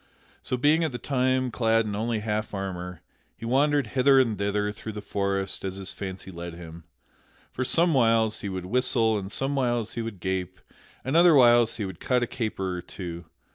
So, being at that time clad only in half armor, he wandered hither and thither through the forest as his fancy led him. For somewhiles he would whistle and somewhiles he would gape, and otherwhiles he would cut a caper or two.